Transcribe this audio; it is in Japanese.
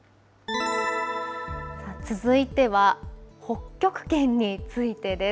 続いては北極圏についてです。